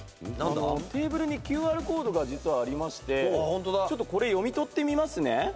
テーブルにＱＲコードが実はありましてちょっとこれ読み取ってみますね。